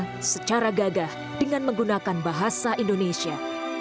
mereka secara gagah dengan menggunakan bahasa indonesia